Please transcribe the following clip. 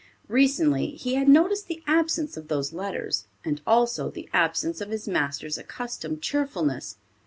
Recently he had noticed the absence of those letters, and also the absence of his master's accustomed cheerfulness.